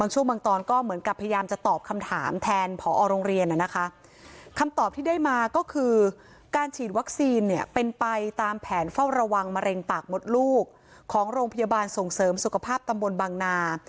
จึงเปลี่ยนปากหมดลูกของโรงพยาบาลส่งเสริมสุขภาพตำบลบังนา